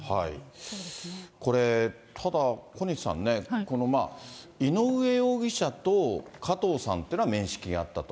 これ、ただ、小西さんね、このまあ、井上容疑者と加藤さんっていうのは面識があったと。